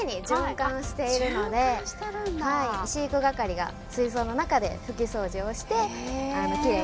飼育係が水槽の中で拭き掃除をしてキレイにしています。